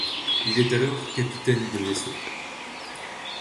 Il est alors capitaine de vaisseau.